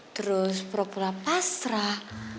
terus pura pura pasrah